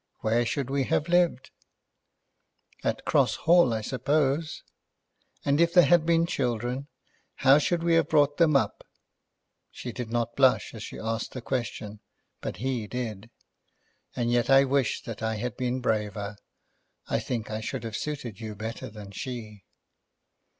Where should we have lived?" "At Cross Hall, I suppose." "And if there had been children, how should we have brought them up?" She did not blush as she asked the question, but he did. "And yet I wish that I had been braver. I think I should have suited you better than she."